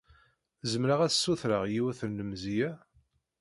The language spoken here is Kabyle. Zemreɣ ad ssutreɣ yiwet n lemzeyya?